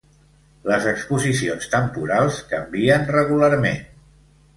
Les exposicions temporals canvien regularment.